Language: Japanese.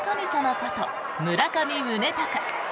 こと村上宗隆。